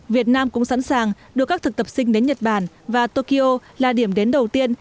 việt nam cũng sẵn sàng đưa các thực tập sinh đến nhật bản và tokyo là điểm đến đầu tiên